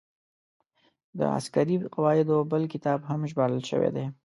د عسکري قواعدو بل کتاب هم ژباړل شوی دی.